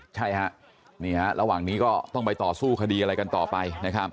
ใช่ครับระหว่างนี้ก็ต้องไปต่อสู้คดีอะไรกันต่อไป